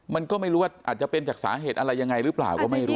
มันก็ไม่รู้ว่าอาจจะเป็นจากสาเหตุอะไรยังไงหรือเปล่าก็ไม่รู้